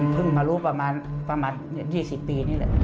เพิ่งมารู้ประมาณ๒๐ปีนี่เลย